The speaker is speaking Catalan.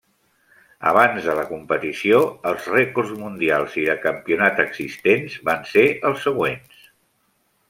Abans de la competició, els rècords mundials i de campionat existents van ser els següents.